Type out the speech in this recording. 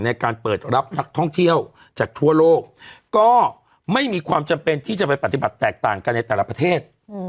ในการเปิดรับนักท่องเที่ยวจากทั่วโลกก็ไม่มีความจำเป็นที่จะไปปฏิบัติแตกต่างกันในแต่ละประเทศ